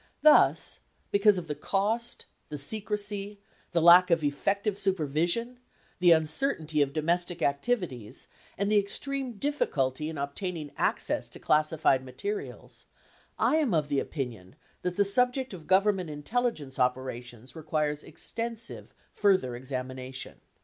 Thus, because of the cost, the secrecy, the lack of effective super vision, the uncertainty of domestic activities, and the extreme dif ficulty in obtaining access to classified materials, I am of the opinion that the subject of Government intelligence operations requires ex tensive further examination.